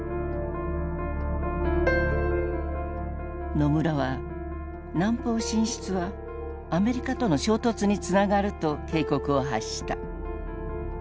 野村は南方進出はアメリカとの衝突につながると警告を発した。